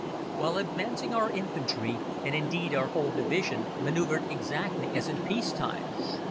While advancing our infantry, and indeed, our whole division, manoeuvred exactly as in peace time.